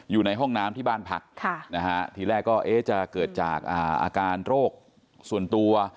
อยู่ในห้องน้ำที่บ้านพักทีแรกก็จะเกิดจากอาการโรคส่วนตัว